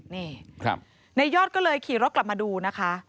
นี่ในยอดก็เลยขี่รถกลับมาดูนะคะ